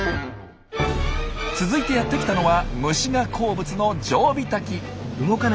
続いてやって来たのは虫が好物のジョウビタキ。